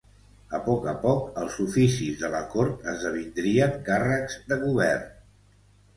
A poc a poc els oficis de la cort esdevindrien càrrecs de govern.